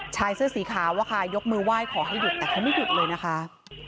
ชายเสื้อสีขาวอะค่ะยกมือไหว้ขอให้หยุดแต่เขาไม่หยุดเลยนะคะ